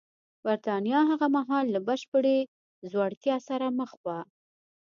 برېټانیا هغه مهال له بشپړې ځوړتیا سره مخ وه